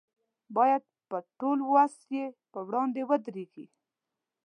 باید په ټول وس یې پر وړاندې ودرېږي.